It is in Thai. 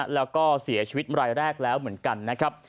แล้วก็เสียชีวิตรายแรกแล้วเหมือนกันนะครับ